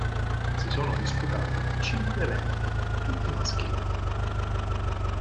Si sono disputati cinque eventi, tutti maschili.